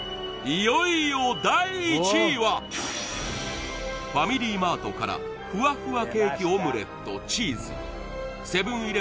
いよいよ第１位はファミリーマートからふわふわケーキオムレットチーズセブン